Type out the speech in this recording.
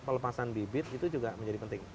pelepasan bibit itu juga menjadi penting